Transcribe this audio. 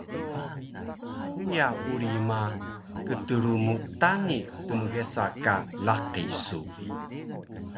Kiya uri ma kdrmtani tmgesa ka laqi su